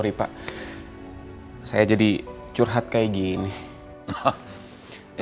maaf pak saya jadi curhat seperti ini